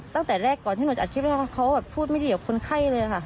ตั้งแต่แรกก่อนที่หนูอัดคลิปเขาพูดไม่ดีกับคนไข้เลยค่ะ